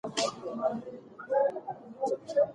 تعلیم لرونکې میندې د ماشومانو د کورنۍ روغتیا ته پاملرنه کوي.